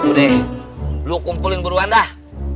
udah deh lo kumpulin buruan dah